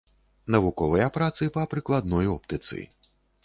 Навуковыя працы па прыкладной оптыцы.